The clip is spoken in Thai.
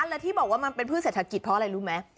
แล้วที่บอกว่ามันเป็นพืชเศรษฐกิจเพราะอะไรรู้ไหม